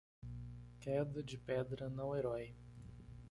Queda de pedra não-herói